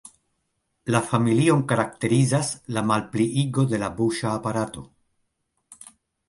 La familion karakterizas la malpliigo de la buŝa aparato.